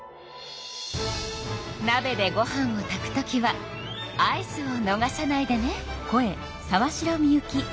なべでご飯を炊くときは合図をのがさないでね！